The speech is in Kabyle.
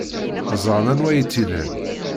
Ẓran anwa ay tt-ilan.